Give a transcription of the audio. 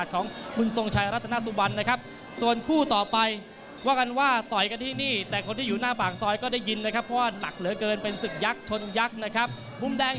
ต้องต่อน้ำหนัก๒ปอนด์